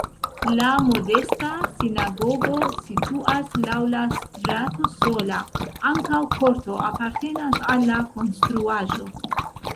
La modesta sinagogo situas laŭ la strato sola, ankaŭ korto apartenas al la konstruaĵo.